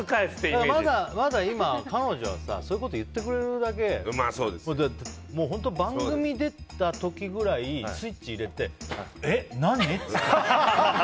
まだ、彼女はそういうことを言ってくれるだけ番組に出た時ぐらいスイッチを入れてえ、何？って。